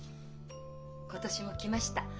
今年も来ました。